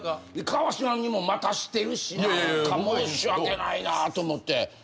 川島にも待たしてるし申し訳ないなと思って。